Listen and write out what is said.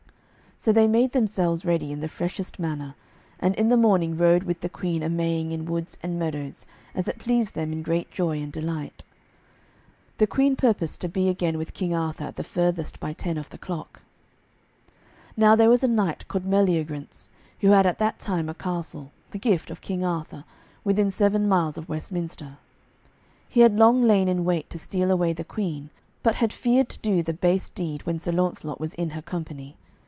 So they made themselves ready in the freshest manner, and in the morning rode with the Queen a Maying in woods and meadows as it pleased them in great joy and delight. The Queen purposed to be again with King Arthur at the furthest by ten of the clock. Now there was a knight called Meliagrance, who had at that time a castle, the gift of King Arthur, within seven miles of Westminster. He had long lain in wait to steal away the Queen, but had feared to do the base deed when Sir Launcelot was in her company.